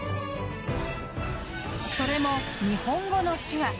それも日本語の手話。